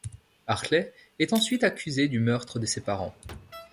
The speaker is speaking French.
Hartley est ensuite accusé du meurtre de ses parents.